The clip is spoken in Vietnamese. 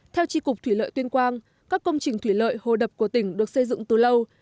theo tri cục thủy lợi tuyên quang các công trình thủy lợi hồ đập của tỉnh được xây dựng từ lâu